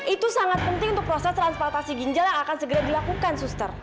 itu sangat penting untuk proses transportasi ginjal yang akan segera dilakukan suster